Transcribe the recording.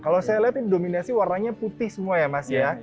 kalau saya lihat ini dominasi warnanya putih semua ya mas ya